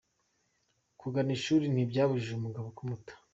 Kugana ishuri ntibyabujije umugabo kumuta